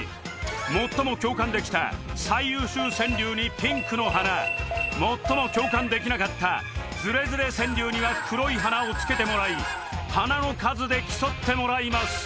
最も共感できた最優秀川柳にピンクの花最も共感できなかったズレズレ川柳には黒い花をつけてもらい花の数で競ってもらいます